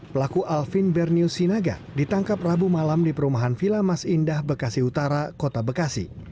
pelaku alvin bernius sinaga ditangkap rabu malam di perumahan vila mas indah bekasi utara kota bekasi